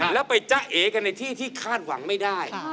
แล้วไปจ้าเอกันในที่ที่คาดหวังไม่ได้